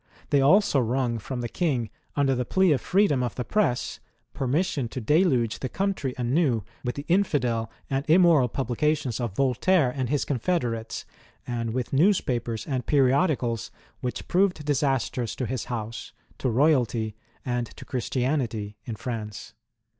They also wrung from the King, under the plea of freedom of the press, permission to deluge the country anew with the infidel and immoral publications of Voltaire and his confederates, and with newspapers and periodicals, which proved disastrous to his house, to royalty, and to Christianity, in France.